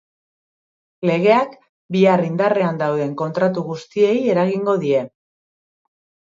Legeak bihar indarrean dauden kontratu guztiei eragingo die.